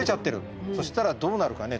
そしたらどうなるかね？